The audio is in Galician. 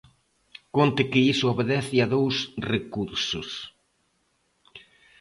Conte que iso obedece a dous recursos.